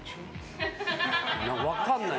分かんない。